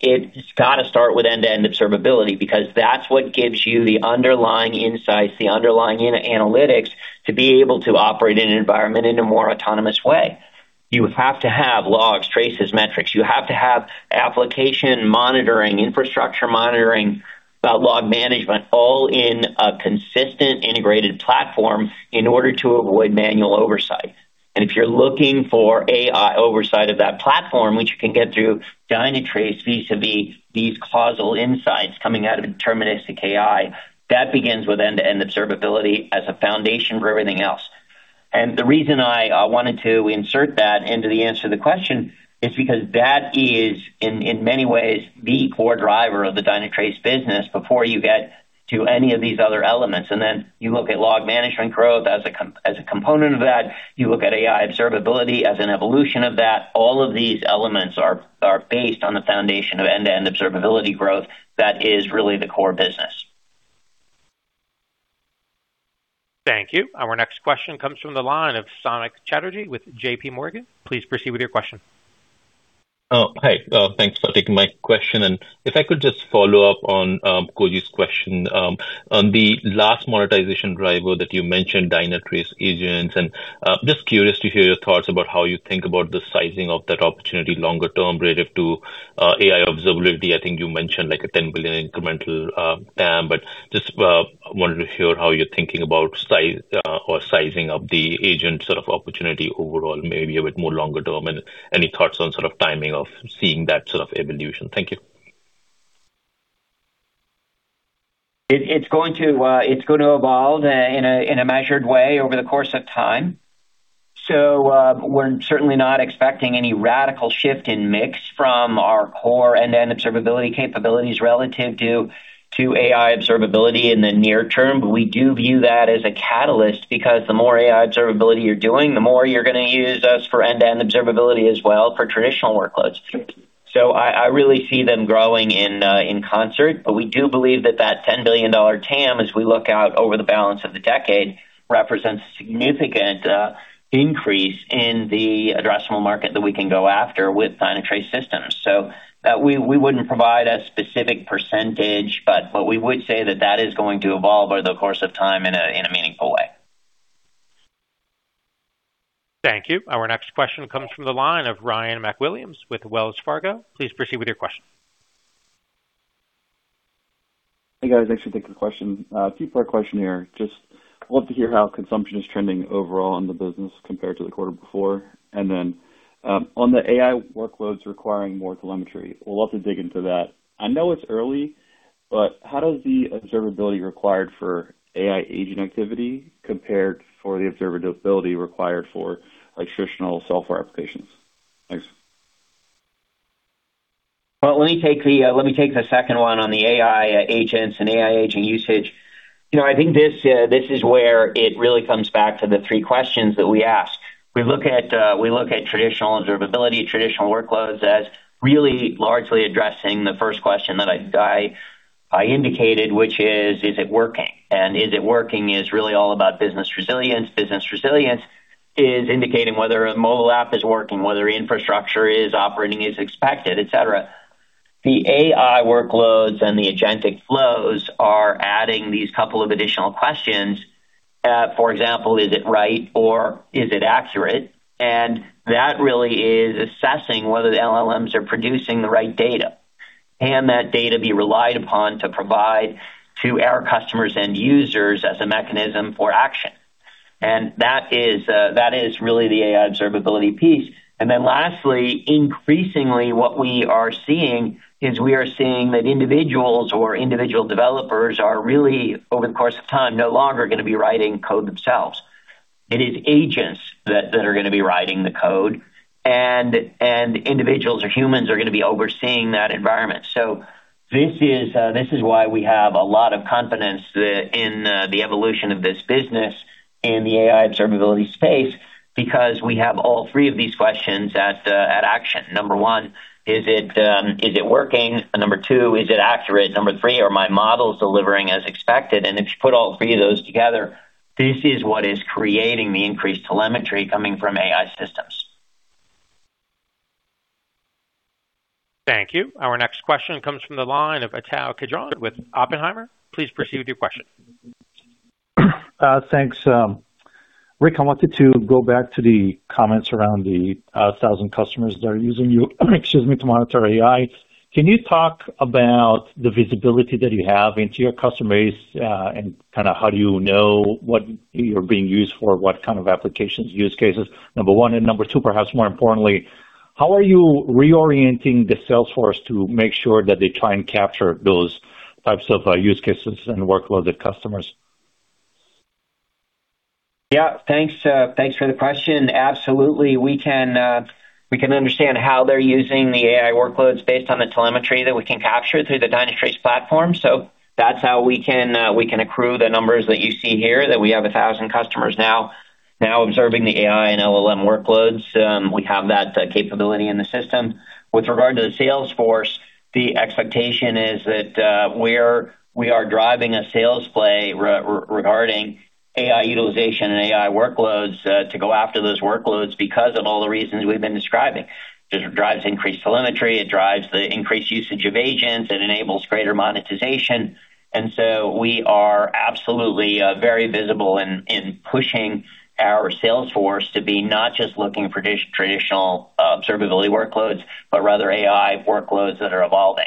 C: it's got to start with end-to-end observability, because that's what gives you the underlying insights, the underlying analytics to be able to operate in an environment in a more autonomous way. You have to have logs, traces, metrics. You have to have application monitoring, infrastructure monitoring, log management, all in a consistent, integrated platform in order to avoid manual oversight. If you're looking for AI oversight of that platform, which you can get through Dynatrace vis-a-vis these causal insights coming out of deterministic AI, that begins with end-to-end observability as a foundation for everything else. The reason I wanted to insert that into the answer to the question is because that is, in many ways, the core driver of the Dynatrace business before you get to any of these other elements. You look at log management growth as a component of that. You look at AI observability as an evolution of that. All of these elements are based on the foundation of end-to-end observability growth that is really the core business.
A: Thank you. Our next question comes from the line of Samik Chatterjee with JPMorgan. Please proceed with your question.
N: Hi. Thanks for taking my question. If I could just follow up on Koji's question. On the last monetization driver that you mentioned, Dynatrace agents, and just curious to hear your thoughts about how you think about the sizing of that opportunity longer term relative to AI observability. I think you mentioned like a $10 billion incremental TAM, but just wanted to hear how you're thinking about size or sizing of the agent sort of opportunity overall, maybe a bit more longer term, and any thoughts on sort of timing of seeing that sort of evolution. Thank you.
C: It's going to evolve in a measured way over the course of time. We're certainly not expecting any radical shift in mix from our core end-to-end observability capabilities relative to AI observability in the near term. We do view that as a catalyst because the more AI observability you're doing, the more you're going to use us for end-to-end observability as well for traditional workloads. I really see them growing in concert. We do believe that that $10 billion TAM, as we look out over the balance of the decade, represents a significant increase in the addressable market that we can go after with Dynatrace systems. We wouldn't provide a specific percentage, but we would say that that is going to evolve over the course of time in a meaningful way.
A: Thank you. Our next question comes from the line of Ryan MacWilliams with Wells Fargo. Please proceed with your question.
O: Hey, guys. Thanks for taking the question. Two-part question here. Just love to hear how consumption is trending overall in the business compared to the quarter before. On the AI workloads requiring more telemetry, would love to dig into that. I know it's early, but how does the observability required for AI agent activity compare for the observability required for traditional software applications? Thanks.
C: Well, let me take the second one on the AI agents and AI agent usage. I think this is where it really comes back to the three questions that we ask. We look at traditional observability, traditional workloads as really largely addressing the first question that I indicated, which is it working? Is it working is really all about business resilience. Business resilience is indicating whether a mobile app is working, whether infrastructure is operating as expected, et cetera. The AI workloads and the agentic flows are adding these couple of additional questions. For example, is it right or is it accurate? That really is assessing whether the LLMs are producing the right data. Can that data be relied upon to provide to our customers and users as a mechanism for action? That is really the AI observability piece. Lastly, increasingly what we are seeing is we are seeing that individuals or individual developers are really, over the course of time, no longer going to be writing code themselves. It is agents that are going to be writing the code, and individuals or humans are going to be overseeing that environment. This is why we have a lot of confidence in the evolution of this business in the AI observability space, because we have all three of these questions at action. Number 1, is it working? Number 2, is it accurate? Number 3, are my models delivering as expected? If you put all three of those together, this is what is creating the increased telemetry coming from AI systems.
A: Thank you. Our next question comes from the line of Ittai Kidron with Oppenheimer. Please proceed with your question.
P: Thanks. Rick, I wanted to go back to the comments around the 1,000 customers that are using you excuse me, to monitor AI. Can you talk about the visibility that you have into your customer base? Kind of how do you know what you're being used for, what kind of applications, use cases? Number 1 and Number 2, perhaps more importantly, how are you reorienting the sales force to make sure that they try and capture those types of use cases and workload of customers?
C: Yeah, thanks. Thanks for the question. Absolutely. We can understand how they're using the AI workloads based on the telemetry that we can capture through the Dynatrace platform. That's how we can accrue the numbers that you see here, that we have 1,000 customers now. Now observing the AI and LLM workloads, we have that capability in the system. With regard to the sales force, the expectation is that we are driving a sales play regarding AI utilization and AI workloads to go after those workloads because of all the reasons we've been describing. It drives increased telemetry, it drives the increased usage of agents, it enables greater monetization. We are absolutely very visible in pushing our sales force to be not just looking for traditional observability workloads, but rather AI workloads that are evolving.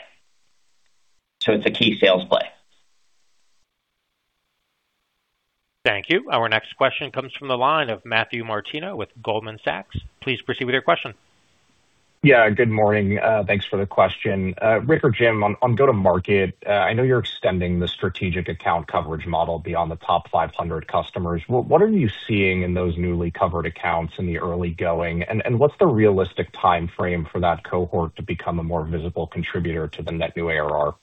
C: It's a key sales play.
A: Thank you. Our next question comes from the line of Matthew Martino with Goldman Sachs. Please proceed with your question.
Q: Yeah, good morning. Thanks for the question. Rick or Jim, on go-to-market, I know you're extending the strategic account coverage model beyond the top 500 customers. What are you seeing in those newly covered accounts in the early going? What's the realistic timeframe for that cohort to become a more visible contributor to the net new ARR?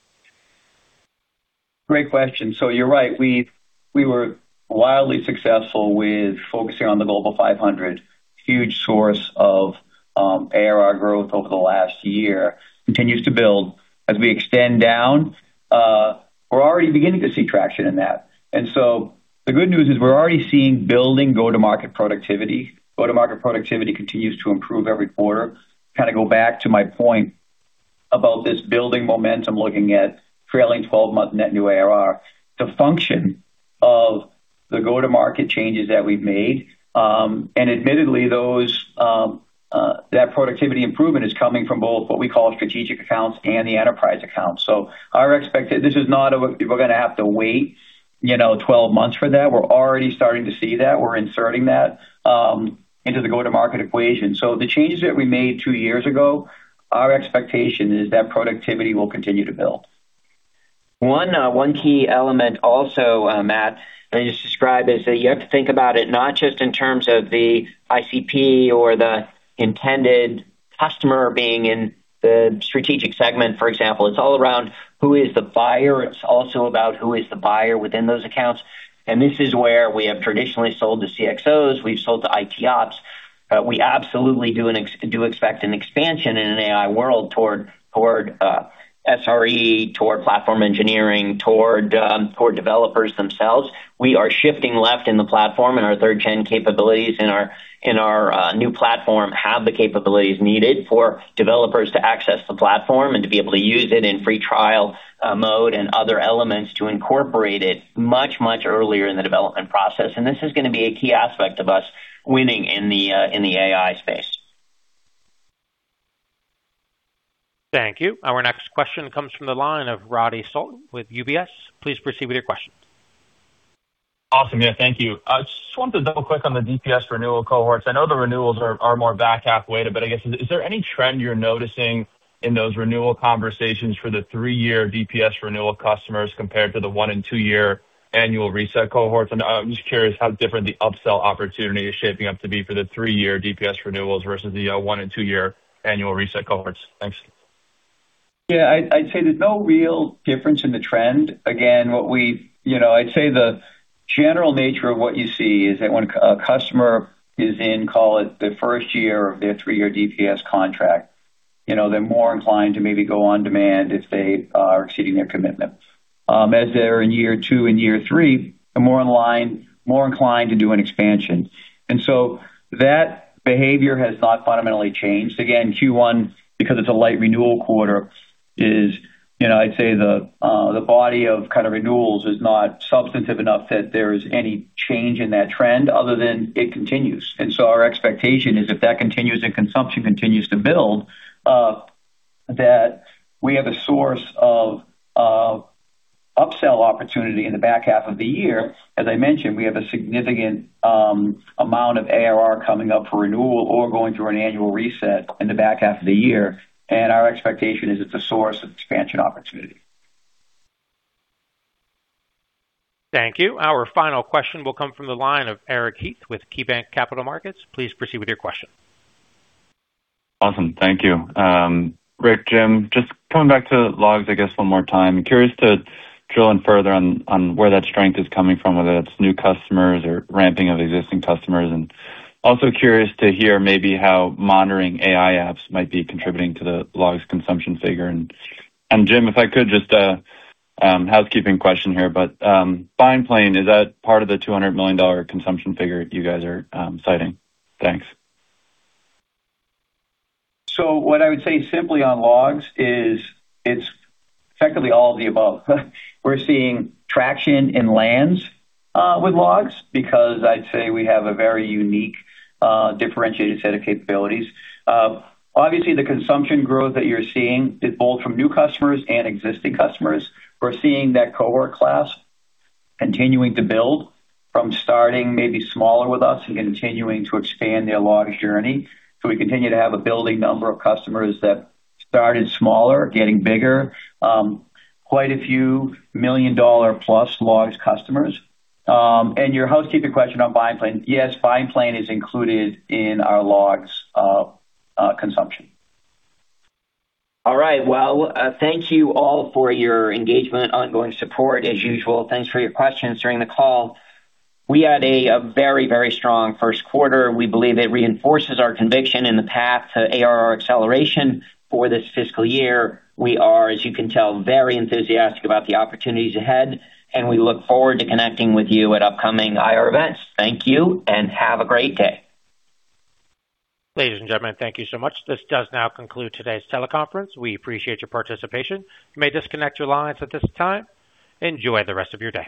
D: Great question. You're right, we were wildly successful with focusing on the Global 500. Huge source of ARR growth over the last year. Continues to build as we extend down. We're already beginning to see traction in that. The good news is we're already seeing building go-to-market productivity. Go-to-market productivity continues to improve every quarter. Kind of go back to my point about this building momentum, looking at trailing 12-month net new ARR, the function of the go-to-market changes that we've made, and admittedly that productivity improvement is coming from both what we call strategic accounts and the enterprise accounts. This is not we're going to have to wait 12 months for that. We're already starting to see that. We're inserting that into the go-to-market equation. The changes that we made two years ago, our expectation is that productivity will continue to build.
C: One key element also, Matthew, that you described is that you have to think about it not just in terms of the ICP or the intended customer being in the strategic segment, for example. It's all around who is the buyer. It's also about who is the buyer within those accounts. This is where we have traditionally sold to CXOs, we've sold to ITOps. We absolutely do expect an expansion in an AI world toward SRE, toward platform engineering, toward developers themselves. We are shifting left in the platform, and our third-gen capabilities in our new platform have the capabilities needed for developers to access the platform and to be able to use it in free trial mode and other elements to incorporate it much, much earlier in the development process. This is going to be a key aspect of us winning in the AI space.
A: Thank you. Our next question comes from the line of Radi Sultan with UBS. Please proceed with your question.
R: Awesome. Yeah, thank you. Just wanted to double-click on the DPS renewal cohorts. I know the renewals are more back half weighted, but I guess, is there any trend you're noticing in those renewal conversations for the three-year DPS renewal customers compared to the one- and two-year annual reset cohorts? I'm just curious how different the upsell opportunity is shaping up to be for the three-year DPS renewals versus the one- and two-year annual reset cohorts. Thanks.
D: Yeah, I'd say there's no real difference in the trend. Again, I'd say the general nature of what you see is that when a customer is in, call it, the first year of their three-year DPS contract, they're more inclined to maybe go on demand if they are exceeding their commitment. As they're in year 2 and year 3, they're more inclined to do an expansion. That behavior has not fundamentally changed. Again, Q1, because it's a light renewal quarter is, I'd say the body of renewals is not substantive enough that there is any change in that trend other than it continues. Our expectation is if that continues and consumption continues to build, that we have a source of upsell opportunity in the back half of the year. As I mentioned, we have a significant amount of ARR coming up for renewal or going through an annual reset in the back half of the year, our expectation is it's a source of expansion opportunity.
A: Thank you. Our final question will come from the line of Eric Heath with KeyBanc Capital Markets. Please proceed with your question.
S: Awesome. Thank you. Rick, Jim, just coming back to logs, I guess one more time. I'm curious to drill in further on where that strength is coming from, whether it's new customers or ramping of existing customers. Also curious to hear maybe how monitoring AI apps might be contributing to the logs consumption figure. Jim, if I could just, housekeeping question here, but BindPlane, is that part of the $200 million consumption figure you guys are citing? Thanks.
D: What I would say simply on logs is it's effectively all of the above. We're seeing traction in lands with logs because I'd say we have a very unique, differentiated set of capabilities. Obviously, the consumption growth that you're seeing is both from new customers and existing customers. We're seeing that cohort class continuing to build from starting maybe smaller with us and continuing to expand their log journey. We continue to have a building number of customers that started smaller, getting bigger. Quite a few million-dollar-plus logs customers. Your housekeeping question on BindPlane. Yes, BindPlane is included in our logs consumption.
C: All right. Well, thank you all for your engagement, ongoing support. As usual, thanks for your questions during the call. We had a very strong Q1. We believe it reinforces our conviction in the path to ARR acceleration for this fiscal year. We are, as you can tell, very enthusiastic about the opportunities ahead. We look forward to connecting with you at upcoming IR events. Thank you. Have a great day.
A: Ladies and gentlemen, thank you so much. This does now conclude today's teleconference. We appreciate your participation. You may disconnect your lines at this time. Enjoy the rest of your day.